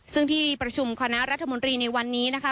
ซึ่งที่ประชุมคณะรัฐมนตรีในวันนี้นะคะ